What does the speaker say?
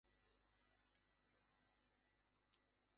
নারীসঙ্গ তাঁর প্রিয় নয়, তিনি যদি এখন নুহাশ নামের মেয়েটিকে বিয়ে করে ফেলেন।